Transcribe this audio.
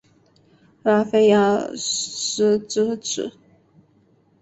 拉菲阿斯之子。